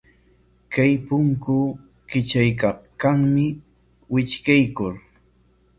Chay punku kitrakaykanmi, witrqaykuy.